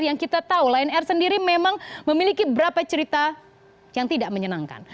yang kita tahu lion air sendiri memang memiliki beberapa cerita yang tidak menyenangkan